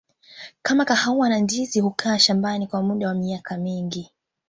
kama kahawa na ndizi hukaa shambani kwa muda wa miaka mingi